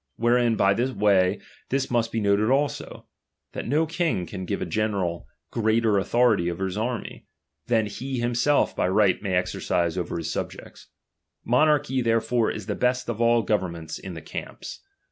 Wherein, by tl»e way, this must be noted also ; that no king can Sive a general greater authority over his army, ttian he himself by right may exercise over all his ^Xibjects. Monarch]) therefore is the best of all ^■overnments in the camps.